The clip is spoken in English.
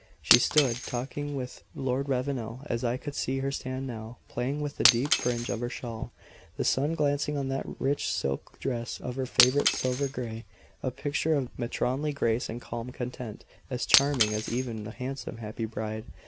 She stood, talking with Lord Ravenel as I could see her stand now, playing with the deep fringe of her shawl; the sun glancing on that rich silk dress, of her favourite silver grey; a picture of matronly grace and calm content, as charming as even the handsome, happy bride.